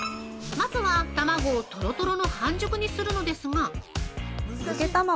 まずは、卵をとろとろの半熟にするのですが◆